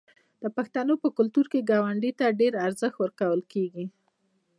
د پښتنو په کلتور کې ګاونډي ته ډیر ارزښت ورکول کیږي.